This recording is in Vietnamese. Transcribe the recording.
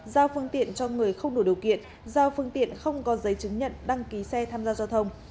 giao phương tiện cho người không đủ điều kiện giao phương tiện không có giấy chứng nhận đăng ký xe tham gia giao thông